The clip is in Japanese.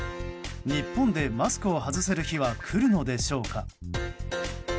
日本でマスクを外せる日は来るのでしょうか。